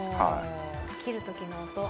切る時の音。